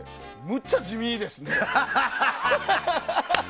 めっちゃ地味ですね。